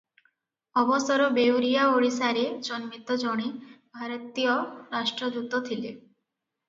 ଅବସର ବେଉରିଆ ଓଡ଼ିଶାରେ ଜନ୍ମିତ ଜଣେ ଭାରତୀୟ ରାଷ୍ଟ୍ରଦୂତ ଥିଲେ ।